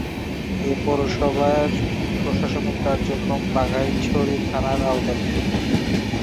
এ পৌরসভার প্রশাসনিক কার্যক্রম বাঘাইছড়ি থানার আওতাধীন।